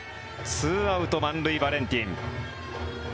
２アウト満塁、バレンティン。